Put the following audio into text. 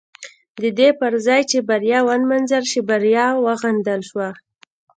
د دې پر ځای چې بریا ونمانځل شي بریا وغندل شوه.